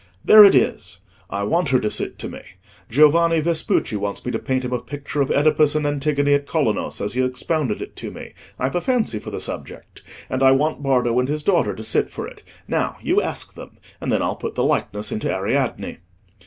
"There it is! I want her to sit to me. Giovanni Vespucci wants me to paint him a picture of Oedipus and Antigone at Colonos, as he has expounded it to me: I have a fancy for the subject, and I want Bardo and his daughter to sit for it. Now, you ask them; and then I'll put the likeness into Ariadne."